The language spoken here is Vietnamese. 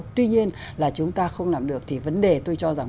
tuy nhiên là chúng ta không làm được thì vấn đề tôi cho rằng